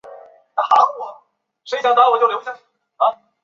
加茂市为一位于日本新舄县中部的城市。